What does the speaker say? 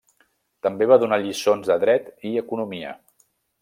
També va donar lliçons de Dret i Economia.